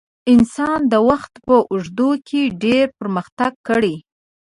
انسان د وخت په اوږدو کې ډېر پرمختګ کړی.